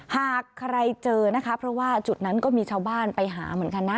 หากใครเจอนะคะเพราะว่าจุดนั้นก็มีชาวบ้านไปหาเหมือนกันนะ